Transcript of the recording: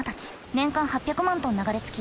年間８００万トン流れ着き